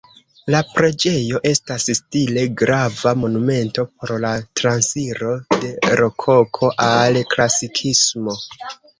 La preĝejo estas stile grava monumento por la transiro de Rokoko al Klasikismo.